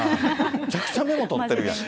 めちゃくちゃメモ取ってるやん。